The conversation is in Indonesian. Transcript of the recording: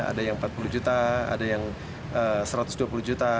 ada yang empat puluh juta ada yang satu ratus dua puluh juta